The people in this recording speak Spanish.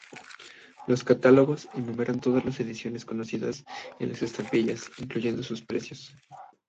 Los catálogos enumeran todas las ediciones conocidas de estampillas, incluyendo sus precios.